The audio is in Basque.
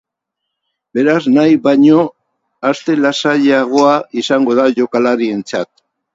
Beraz, nahi baino aste lasaiagoa izango da jokalarientzat.